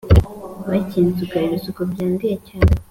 Bakinsuka ibisuko byandiye cyane